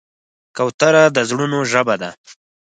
کوتره د زړونو ژبه ده.